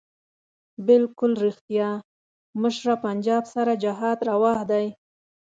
بلکل ريښتيا مشره پنجاب سره جهاد رواح دی